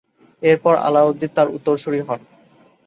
এরপর আলাউদ্দিন তার উত্তরসুরি হন।